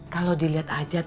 kalau dilihat ajat